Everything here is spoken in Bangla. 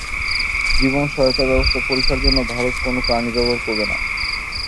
জীবন সহায়তা ব্যবস্থা পরীক্ষার জন্য ভারত কোন প্রাণী ব্যবহার করবে না।